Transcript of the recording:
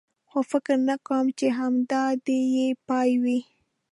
خو فکر نه کوم، چې همدا دی یې پای وي.